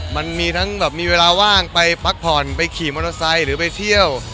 มันมีทั้งแบบมีเวลาว่างไปพักผ่อนไปขี่มอเตอร์ไซค์หรือไปเที่ยว